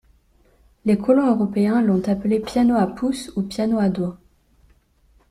Les colons européens l'ont appelé piano à pouces ou piano à doigts.